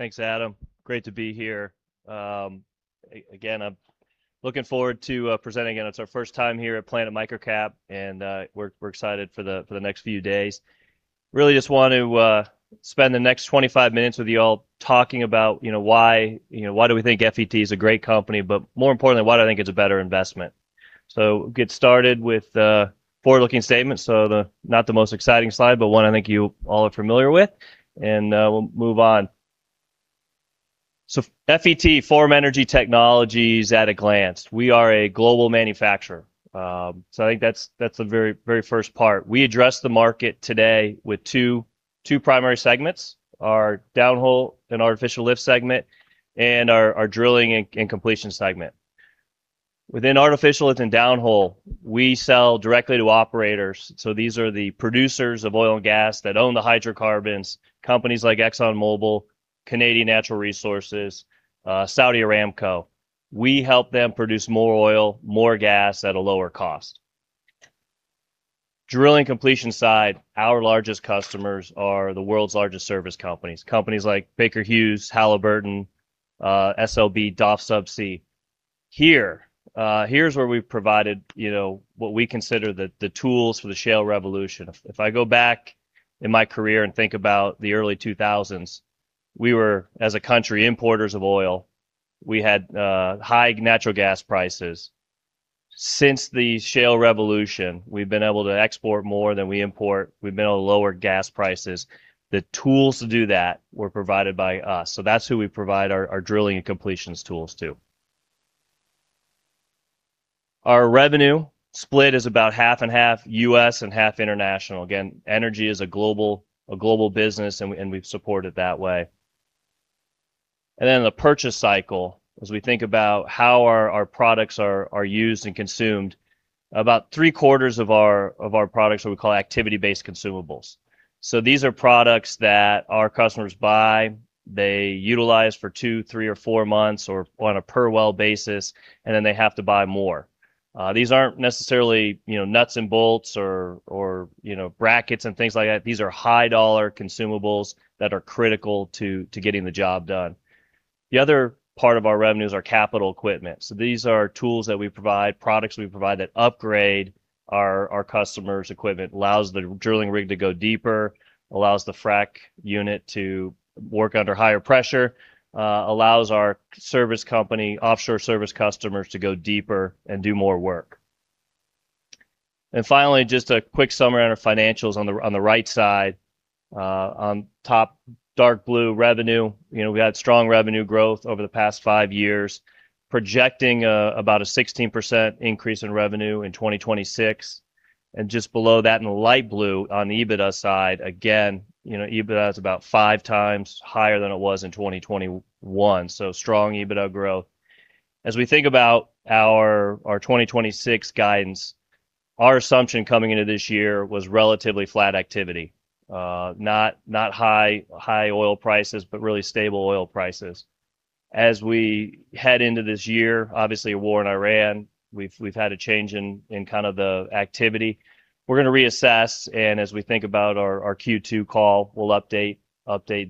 Thanks, Adam. I'm looking forward to presenting, and it's our first time here at Planet MicroCap, and we're excited for the next few days. Really just want to spend the next 25 minutes with you all talking about why do we think FET is a great company, but more importantly, why I think it's a better investment. Get started with forward-looking statements. Not the most exciting slide, but one I think you all are familiar with, and we'll move on. FET, Forum Energy Technologies at a glance. We are a global manufacturer. I think that's the very first part. We address the market today with two primary segments, our downhole and artificial lift segment and our drilling and completion segment. Within artificial lift and downhole, we sell directly to operators. These are the producers of oil and gas that own the hydrocarbons, companies like ExxonMobil, Canadian Natural Resources, Saudi Aramco. We help them produce more oil, more gas at a lower cost. Drilling and completion side, our largest customers are the world's largest service companies like Baker Hughes, Halliburton, SLB, DOF Subsea. Here's where we've provided what we consider the tools for the shale revolution. If I go back in my career and think about the early 2000s, we were, as a country, importers of oil. We had high natural gas prices. Since the shale revolution, we've been able to export more than we import. We've been able to lower gas prices. The tools to do that were provided by us. That's who we provide our drilling and completions tools to. Our revenue split is about half and half U.S. and half international. Again, energy is a global business, and we've supported that way. The purchase cycle, as we think about how our products are used and consumed, about three-quarters of our products are what we call activity-based consumables. These are products that our customers buy, they utilize for two, three, or four months or on a per-well basis, and then they have to buy more. These aren't necessarily nuts and bolts or brackets and things like that. These are high-dollar consumables that are critical to getting the job done. The other part of our revenue is our capital equipment. These are tools that we provide, products we provide that upgrade our customers' equipment, allows the drilling rig to go deeper, allows the frack unit to work under higher pressure, allows our service company, offshore service customers, to go deeper and do more work. Finally, just a quick summary on our financials on the right side. On top, dark blue, revenue. We had strong revenue growth over the past five years, projecting about a 16% increase in revenue in 2026. Just below that in the light blue, on the EBITDA side, again, EBITDA is about five times higher than it was in 2021. Strong EBITDA growth. As we think about our 2026 guidance, our assumption coming into this year was relatively flat activity. Not high oil prices, but really stable oil prices. As we head into this year, obviously, a war in Iran, we've had a change in kind of the activity. We're going to reassess, and as we think about our Q2 call, we'll update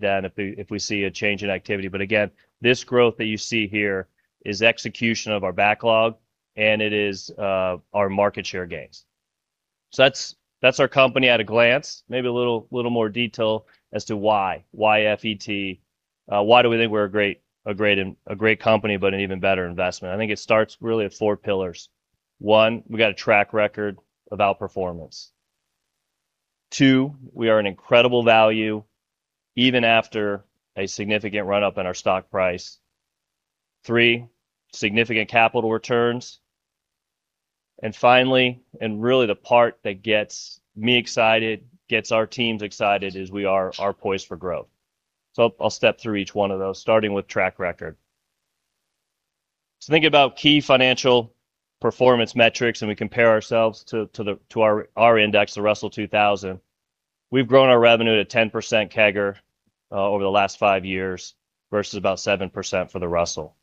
then if we see a change in activity. Again, this growth that you see here is execution of our backlog, and it is our market share gains. That's our company at a glance. Maybe a little more detail as to why. Why FET? Why do we think we're a great company, but an even better investment? I think it starts really at four pillars. One, we've got a track record of outperformance. Two, we are an incredible value, even after a significant run-up in our stock price. Three, significant capital returns. Finally, and really the part that gets me excited, gets our teams excited, is we are poised for growth. I'll step through each one of those, starting with track record. Think about key financial performance metrics, and we compare ourselves to our index, the Russell 2000. We've grown our revenue at a 10% CAGR over the last five years, versus about 7% for the Russell.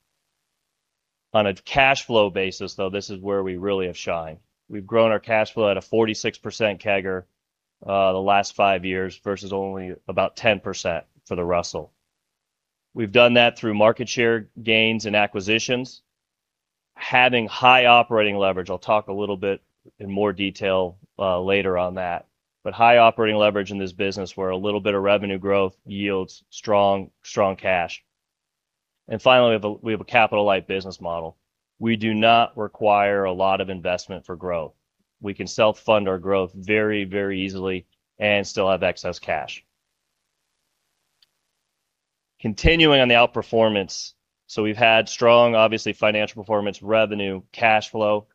On a cash flow basis, though, this is where we really have shined. We've grown our cash flow at a 46% CAGR the last five years versus only about 10% for the Russell. We've done that through market share gains and acquisitions, having high operating leverage. I'll talk a little bit in more detail later on that. High operating leverage in this business, where a little bit of revenue growth yields strong cash. Finally, we have a capital-light business model. We do not require a lot of investment for growth. We can self-fund our growth very easily and still have excess cash. Continuing on the outperformance. We've had strong, obviously, financial performance, revenue, cash flow.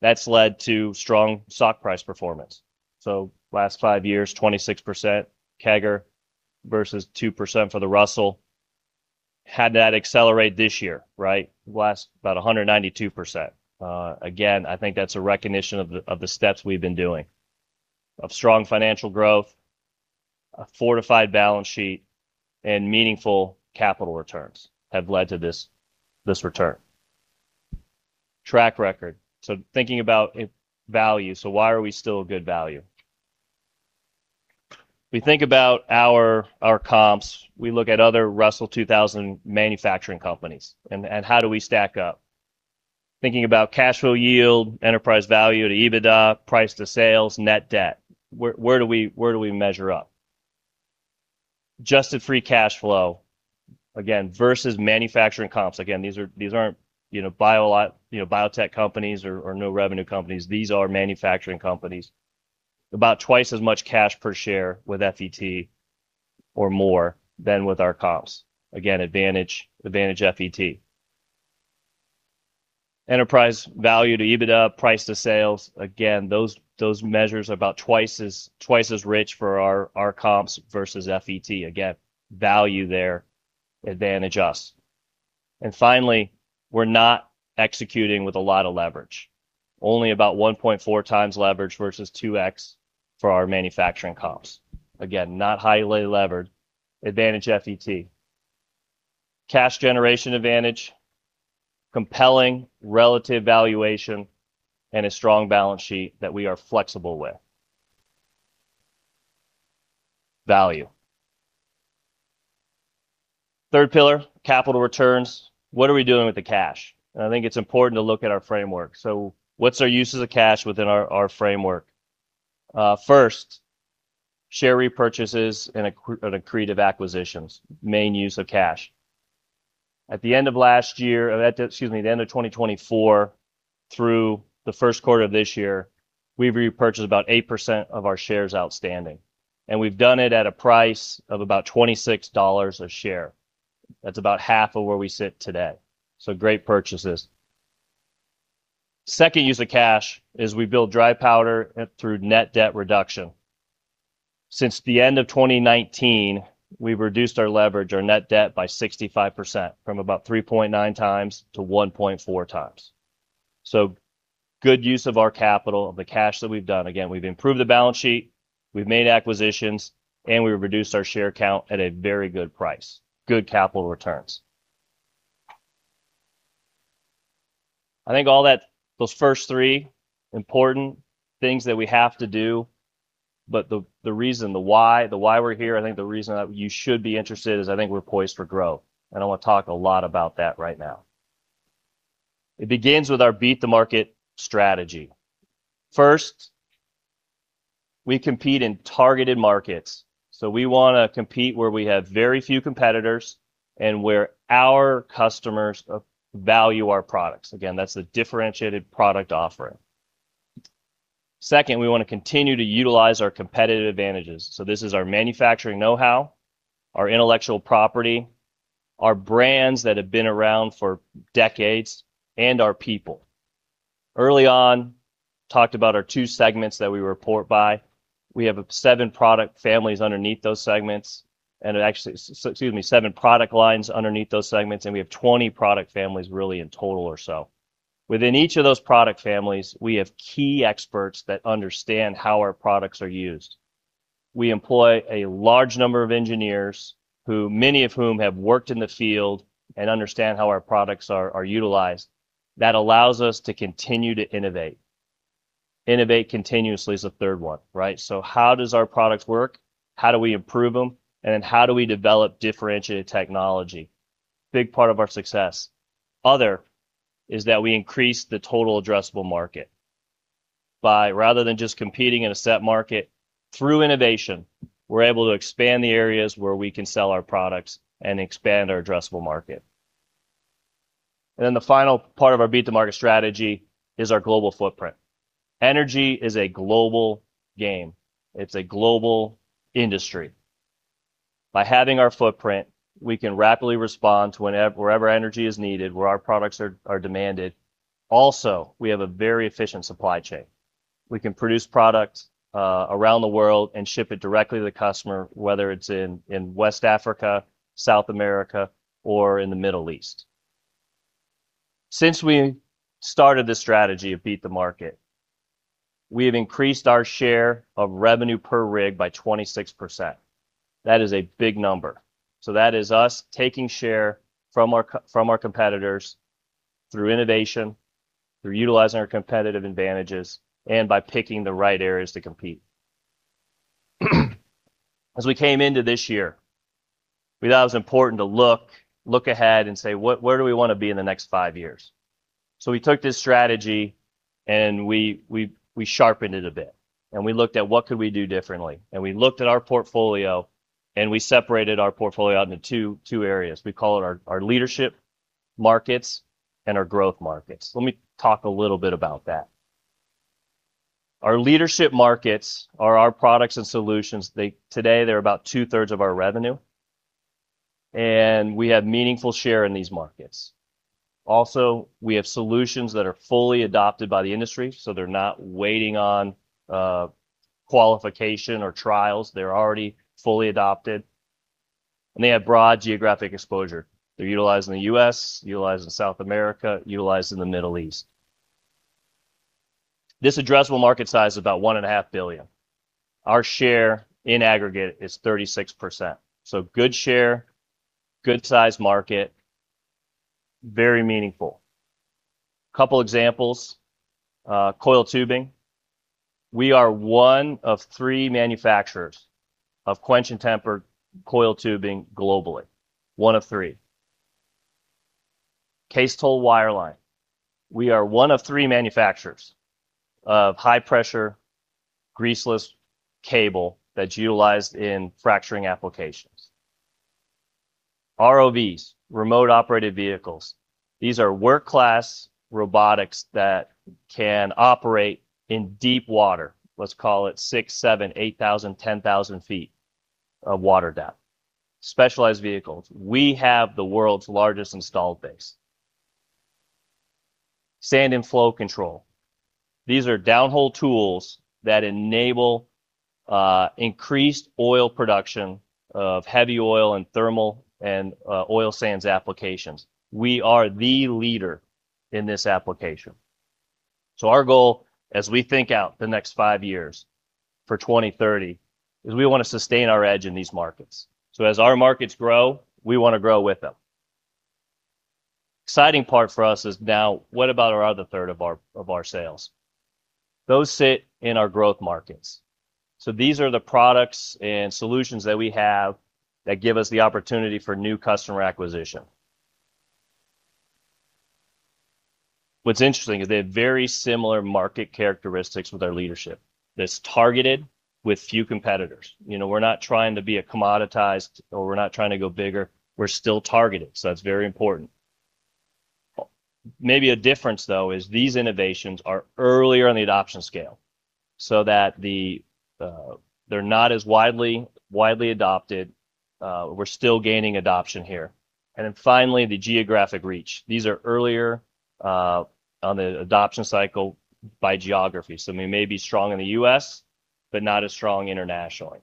That's led to strong stock price performance. Last five years, 26% CAGR versus 2% for the Russell. Had that accelerate this year, right? Last about 192%. Again, I think that's a recognition of the steps we've been doing, of strong financial growth, a fortified balance sheet, and meaningful capital returns have led to this return. Track record. Thinking about value, why are we still a good value? We think about our comps. We look at other Russell 2000 manufacturing companies, and how do we stack up? Thinking about cash flow yield, enterprise value to EBITDA, price to sales, net debt. Where do we measure up? Adjusted free cash flow, again, versus manufacturing comps. Again, these aren't biotech companies or no revenue companies. These are manufacturing companies. About twice as much cash per share with FET or more than with our comps. Again, advantage FET. Enterprise value to EBITDA, price to sales, again, those measures are about twice as rich for our comps versus FET. Again, value there, advantage us. Finally, we're not executing with a lot of leverage. Only about 1.4x leverage versus 2x for our manufacturing comps. Again, not highly levered. Advantage FET. Cash generation advantage, compelling relative valuation, and a strong balance sheet that we are flexible with. Value. Third pillar, capital returns. What are we doing with the cash? I think it's important to look at our framework. What's our uses of cash within our framework? First, share repurchases and accretive acquisitions, main use of cash. At the end of 2024 through the first quarter of this year, we've repurchased about 8% of our shares outstanding, and we've done it at a price of about $26 a share. That's about half of where we sit today. Great purchases. Second use of cash is we build dry powder through net debt reduction. Since the end of 2019, we've reduced our leverage, our net debt, by 65%, from about 3.9x-1.4x. Good use of our capital, of the cash that we've done. Again, we've improved the balance sheet, we've made acquisitions, and we've reduced our share count at a very good price. Good capital returns. I think all those first three, important things that we have to do. The reason, the why, the why we're here, I think the reason that you should be interested is I think we're poised for growth. I want to talk a lot about that right now. It begins with our beat the market strategy. First, we compete in targeted markets, so we want to compete where we have very few competitors and where our customers value our products. Again, that's the differentiated product offering. Second, we want to continue to utilize our competitive advantages. This is our manufacturing knowhow, our intellectual property, our brands that have been around for decades, and our people. Early on, talked about our two segments that we report by. We have seven product lines underneath those segments, and we have 20 product families really in total or so. Within each of those product families, we have key experts that understand how our products are used. We employ a large number of engineers, many of whom have worked in the field and understand how our products are utilized. That allows us to continue to innovate. Innovate continuously is the third one, right? How does our products work? How do we improve them? How do we develop differentiated technology? Big part of our success. Other is that we increase the total addressable market. By rather than just competing in a set market, through innovation, we're able to expand the areas where we can sell our products and expand our addressable market. The final part of our beat the market strategy is our global footprint. Energy is a global game. It's a global industry. By having our footprint, we can rapidly respond to wherever energy is needed, where our products are demanded. Also, we have a very efficient supply chain. We can produce product around the world and ship it directly to the customer, whether it's in West Africa, South America, or in the Middle East. Since we started this strategy of beat the market, we have increased our share of revenue per rig by 26%. That is a big number. That is us taking share from our competitors through innovation, through utilizing our competitive advantages, and by picking the right areas to compete. As we came into this year, we thought it was important to look ahead and say, "Where do we want to be in the next five years?" We took this strategy, and we sharpened it a bit, and we looked at what could we do differently. We looked at our portfolio, and we separated our portfolio into two areas. We call it our leadership markets and our growth markets. Let me talk a little bit about that. Our leadership markets are our products and solutions. Today, they're about two-thirds of our revenue, and we have meaningful share in these markets. Also, we have solutions that are fully adopted by the industry, so they're not waiting on qualification or trials. They're already fully adopted, and they have broad geographic exposure. They're utilized in the U.S., utilized in South America, utilized in the Middle East. This addressable market size is about $1.5 billion. Our share in aggregate is 36%. Good share, good size market, very meaningful. Couple examples. Coiled tubing, we are one of three manufacturers of quench-and-tempered coiled tubing globally. One of three. Cased-hole wireline, we are one of three manufacturers of high pressure Greaseless Cable that's utilized in fracturing applications. ROVs, Remotely Operated Vehicles. These are work class robotics that can operate in deep water, let's call it six, seven, 8,000, 10,000 feet of water depth. Specialized vehicles. We have the world's largest installed base. Sand and Flow Control. These are downhole tools that enable increased oil production of heavy oil and thermal and oil sands applications. We are the leader in this application. Our goal as we think out the next five years for 2030, is we want to sustain our edge in these markets. As our markets grow, we want to grow with them. Exciting part for us is now what about our other third of our sales? Those sit in our growth markets. These are the products and solutions that we have that give us the opportunity for new customer acquisition. What's interesting is they have very similar market characteristics with our leadership, that's targeted with few competitors. We're not trying to be a commoditized, or we're not trying to go bigger. We're still targeted, that's very important. Maybe a difference though is these innovations are earlier on the adoption scale, that they're not as widely adopted. We're still gaining adoption here. Finally, the geographic reach. These are earlier on the adoption cycle by geography. We may be strong in the U.S., but not as strong internationally.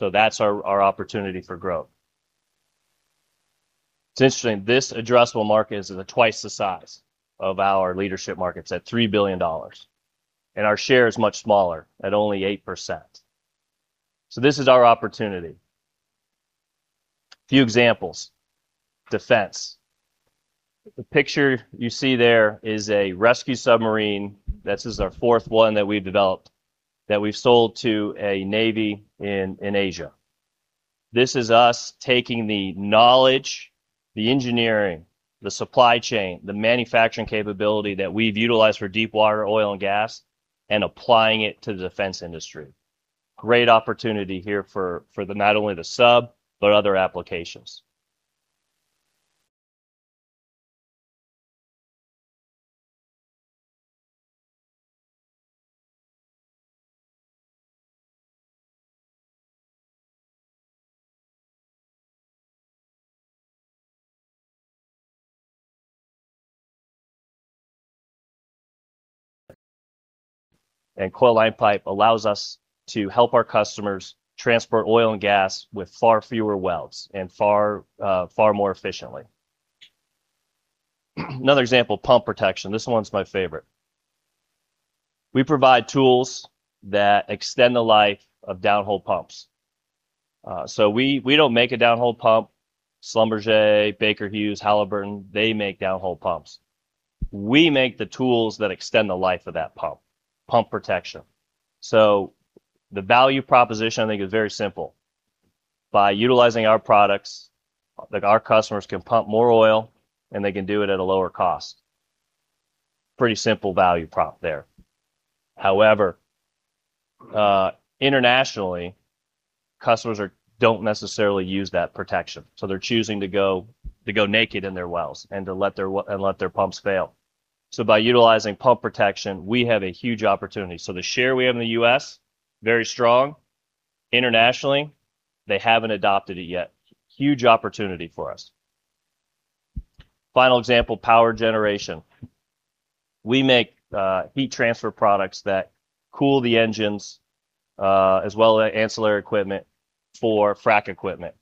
That's our opportunity for growth. It's interesting, this addressable market is twice the size of our leadership markets at $3 billion. Our share is much smaller at only 8%. This is our opportunity. Few examples. Defense. The picture you see there is a submarine rescue vehicle. This is our fourth one that we've developed, that we've sold to a navy in Asia. This is us taking the knowledge, the engineering, the supply chain, the manufacturing capability that we've utilized for deep water oil and gas, and applying it to the defense industry. Great opportunity here for not only the sub, but other applications. Coiled Line Pipe allows us to help our customers transport oil and gas with far fewer welds and far more efficiently. Another example, pump protection. This one's my favorite. We provide tools that extend the life of downhole pumps. We don't make a downhole pump. Schlumberger, Baker Hughes, Halliburton, they make downhole pumps. We make the tools that extend the life of that pump. Pump protection. The value proposition, I think, is very simple. By utilizing our products, our customers can pump more oil, and they can do it at a lower cost. Pretty simple value prop there. However, internationally, customers don't necessarily use that protection. They're choosing to go naked in their wells and let their pumps fail. By utilizing pump protection, we have a huge opportunity. The share we have in the U.S., very strong. Internationally, they haven't adopted it yet. Huge opportunity for us. Final example, power generation. We make heat transfer products that cool the engines, as well as ancillary equipment for frack equipment.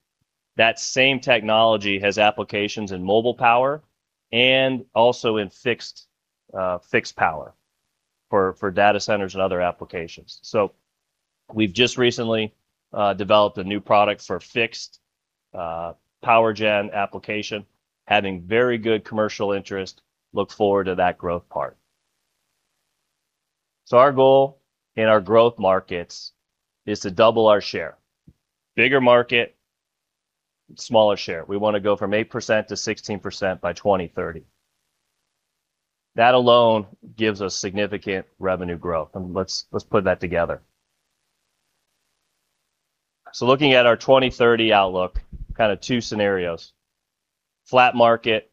That same technology has applications in mobile power and also in fixed power for data centers and other applications. We've just recently developed a new product for fixed power gen application, having very good commercial interest. Look forward to that growth part. Our goal in our growth markets is to double our share. Bigger market, smaller share. We want to go from 8% to 16% by 2030. That alone gives us significant revenue growth, and let's put that together. Looking at our 2030 outlook, kind of two scenarios. Flat market,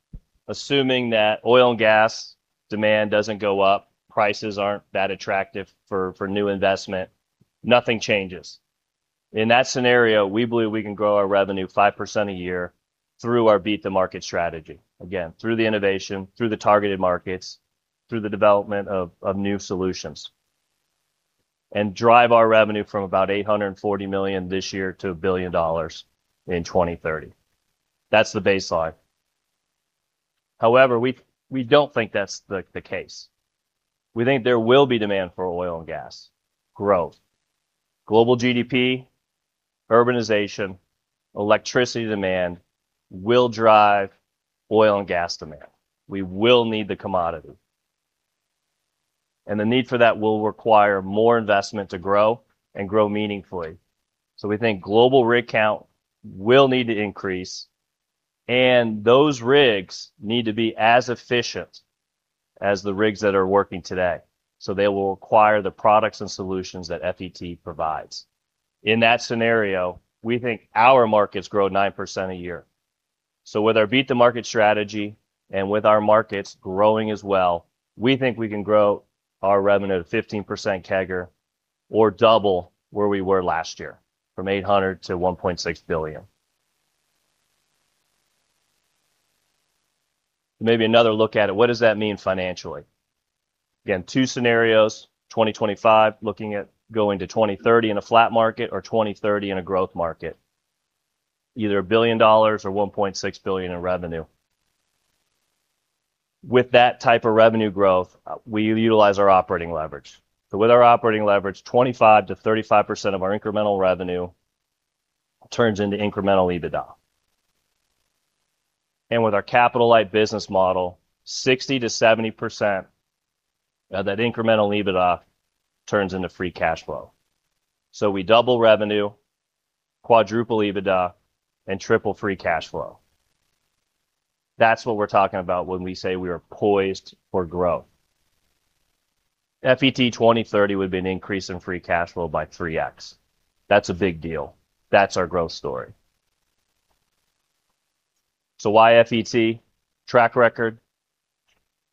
assuming that oil and gas demand doesn't go up, prices aren't that attractive for new investment. Nothing changes. In that scenario, we believe we can grow our revenue 5% a year through our beat the market strategy. Again, through the innovation, through the targeted markets, through the development of new solutions, and drive our revenue from about $840 million this year to a $1 billion in 2030. That's the baseline. However, we don't think that's the case. We think there will be demand for oil and gas growth. Global GDP, urbanization, electricity demand will drive oil and gas demand. We will need the commodity. The need for that will require more investment to grow and grow meaningfully. We think global rig count will need to increase, and those rigs need to be as efficient as the rigs that are working today. They will require the products and solutions that FET provides. In that scenario, we think our markets grow 9% a year. With our beat the market strategy and with our markets growing as well, we think we can grow our revenue to 15% CAGR or double where we were last year, from $800 million to $1.6 billion. Maybe another look at it, what does that mean financially? Again, two scenarios, 2025, looking at going to 2030 in a flat market or 2030 in a growth market. Either $1 billion or $1.6 billion in revenue. With that type of revenue growth, we utilize our operating leverage. With our operating leverage, 25%-35% of our incremental revenue turns into incremental EBITDA. With our capital-light business model, 60%-70% of that incremental EBITDA turns into free cash flow. We double revenue, quadruple EBITDA, and triple free cash flow. That's what we're talking about when we say we are poised for growth. FET 2030 would be an increase in free cash flow by 3x. That's a big deal. That's our growth story. Why FET? Track record,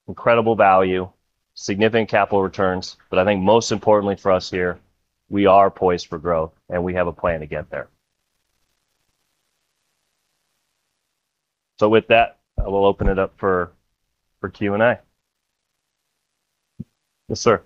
incredible value, significant capital returns, but I think most importantly for us here, we are poised for growth, and we have a plan to get there. With that, I will open it up for Q&A. Yes, sir.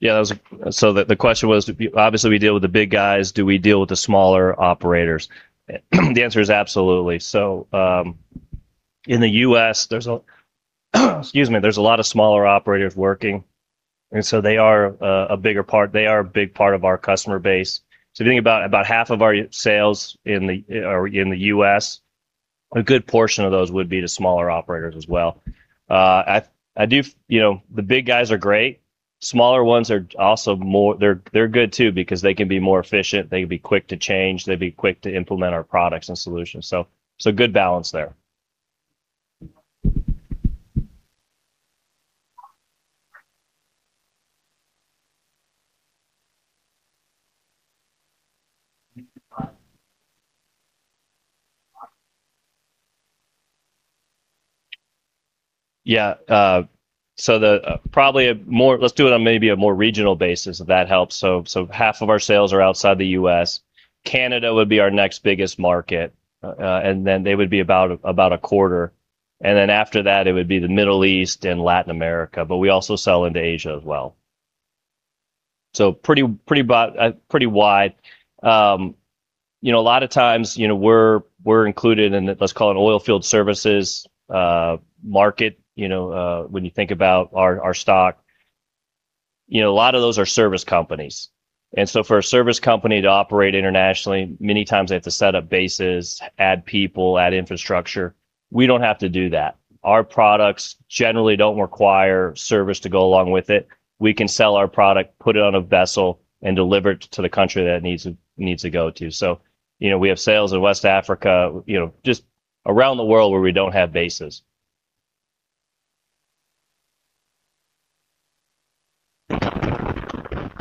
Yeah. The question was, obviously, we deal with the big guys, do we deal with the smaller operators? The answer is absolutely. In the U.S., there's a excuse me, there's a lot of smaller operators working, and they are a big part of our customer base. I think about half of our sales are in the U.S., a good portion of those would be to smaller operators as well. The big guys are great. Smaller ones, they're good too, because they can be more efficient, they can be quick to change, they'd be quick to implement our products and solutions. Good balance there. Yeah. Let's do it on maybe a more regional basis, if that helps. Half of our sales are outside the U.S. Canada would be our next biggest market. They would be about a quarter. After that, it would be the Middle East and Latin America, but we also sell into Asia as well. Pretty wide. A lot of times, we're included in, let's call it, oil field services market, when you think about our stock. A lot of those are service companies. For a service company to operate internationally, many times they have to set up bases, add people, add infrastructure. We don't have to do that. Our products generally don't require service to go along with it. We can sell our product, put it on a vessel, and deliver it to the country that it needs to go to. We have sales in West Africa, just around the world where we don't have bases.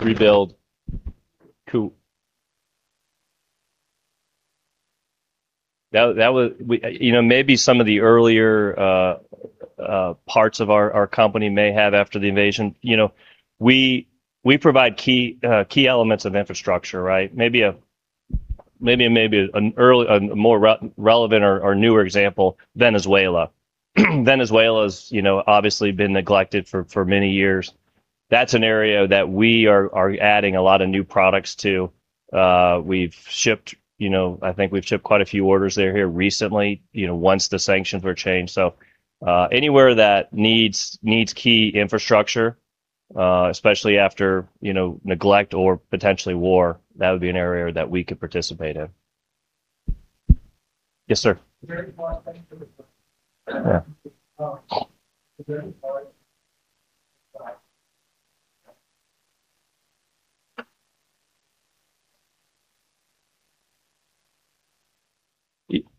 Rebuild. Cool. Maybe some of the earlier parts of our company may have after the invasion. We provide key elements of infrastructure, right? Maybe a more relevant or newer example, Venezuela. Venezuela's obviously been neglected for many years. That's an area that we are adding a lot of new products to. I think we've shipped quite a few orders there here recently, once the sanctions were changed. Anywhere that needs key infrastructure, especially after neglect or potentially war, that would be an area that we could participate in. Yes, sir.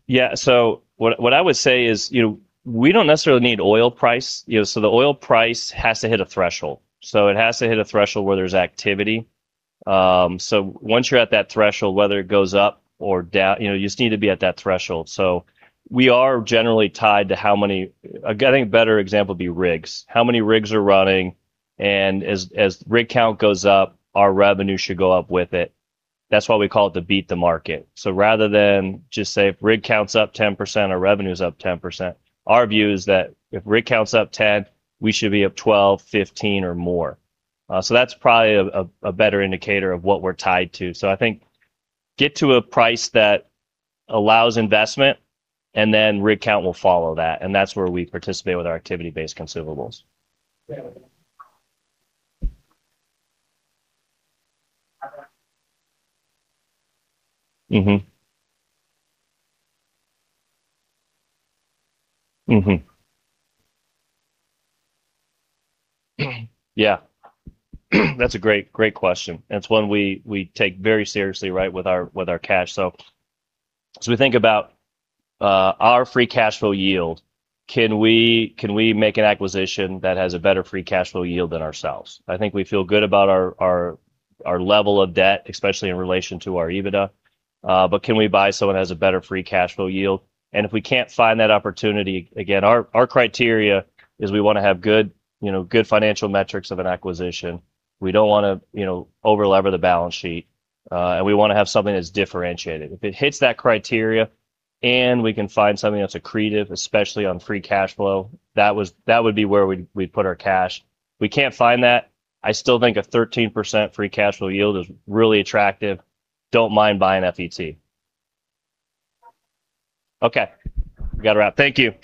Yeah. What I would say is, we don't necessarily need oil price. The oil price has to hit a threshold, so it has to hit a threshold where there's activity. Once you're at that threshold, whether it goes up or down, you just need to be at that threshold. We are generally tied to how many I think a better example would be rigs. How many rigs are running, and as rig count goes up, our revenue should go up with it. That's why we call it the beat the market. Rather than just say, if rig count's up 10%, our revenue's up 10%. Our view is that if rig count's up 10%, we should be up 12%, 15%, or more. That's probably a better indicator of what we're tied to. I think get to a price that allows investment, and then rig count will follow that, and that's where we participate with our activity-based consumables. Yeah. That's a great question. It's one we take very seriously with our cash. As we think about our free cash flow yield, can we make an acquisition that has a better free cash flow yield than ourselves? I think we feel good about our level of debt, especially in relation to our EBITDA. Can we buy so it has a better free cash flow yield? If we can't find that opportunity, again, our criteria is we want to have good financial metrics of an acquisition. We don't want to over-lever the balance sheet. We want to have something that's differentiated. If it hits that criteria and we can find something that's accretive, especially on free cash flow, that would be where we'd put our cash. We can't find that, I still think a 13% free cash flow yield is really attractive. Don't mind buying FET. Okay. We got to wrap. Thank you.